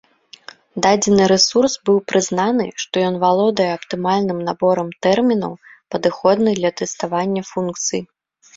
Дадзены рэсурс быў прызнаны, што ён валодае аптымальным наборам тэрмінаў, падыходны для тэставання функцый.